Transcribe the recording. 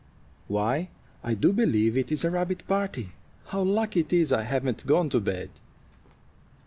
"Why, I do believe it is a rabbit party. How lucky it is I haven't gone to bed!"